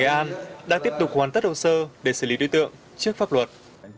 và nghệ an đã tiếp tục hoàn tất hậu sơ để xử lý đối tượng trước pháp luật